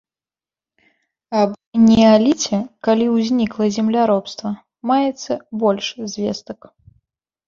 Аб неаліце, калі ўзнікла земляробства, маецца больш звестак.